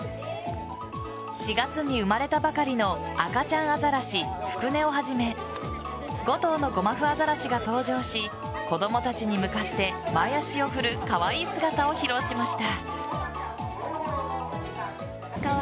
４月に生まれたばかりの赤ちゃんアザラシ・福音をはじめ５頭のゴマフアザラシが登場し子供たちに向かって前足を振るカワイイ姿を披露しました。